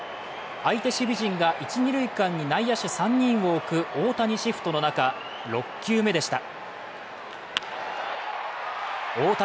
相手守備陣が一・二塁間に内野手３人を置く大谷シフトの中、６球目でした。